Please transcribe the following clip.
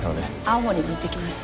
青森に行ってきます。